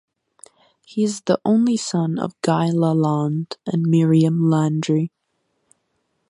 He is the only son of Guy Lalande and Myriam Landry.